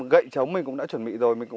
gậy chống mình cũng đã chuẩn bị rồi